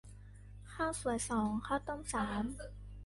ข้าวสวยสอง ข้าวต้มสาม